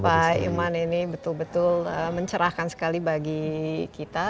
pak iman ini betul betul mencerahkan sekali bagi kita